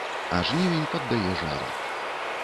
А жнівень паддае жару.